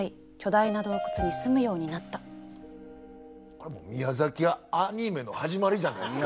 これ宮崎アニメの始まりじゃないですか。